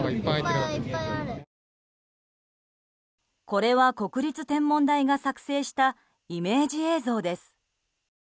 これは国立天文台が作成したイメージ映像です。